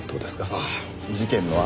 ああ事件のあった。